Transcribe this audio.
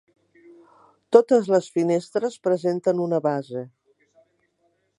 Totes les finestres presenten una base.